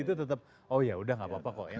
itu tetap oh ya udah gak apa apa kok ya